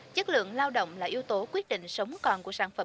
chất lượng lao động là yếu tố quyết định sống còn của sản phẩm